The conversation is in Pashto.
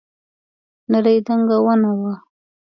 نرۍ دنګه ونه وه.